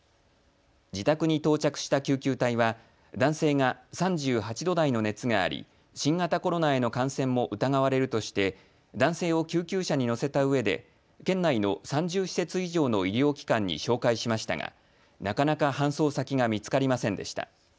自宅に到着した救急隊は男性が３８度台の熱があり新型コロナへの感染も疑われるとして男性を救急車に乗せたうえで県内の３０施設以上の医療機関に照会しましたがなかなか搬送先が見つかりませんでした。